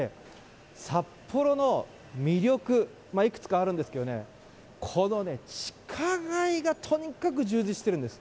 札幌の魅力、いくつかあるんですけどね、この地下街がとにかく充実しているんです。